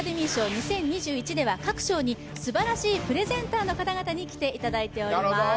２０２１では各賞に素晴らしいプレゼンターの方々に来ていただいております